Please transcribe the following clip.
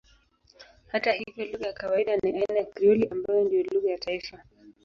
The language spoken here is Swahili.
Hata hivyo lugha ya kawaida ni aina ya Krioli ambayo ndiyo lugha ya taifa.